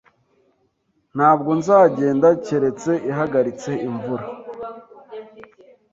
Ntabwo nzagenda keretse ihagaritse imvura.